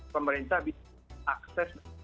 pemerintah bisa akses